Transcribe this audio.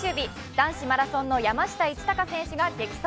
男子マラソンの山下一貴選手が激走。